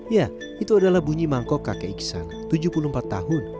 ya itu adalah bunyi mangkok kakek iksan tujuh puluh empat tahun